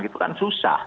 itu kan susah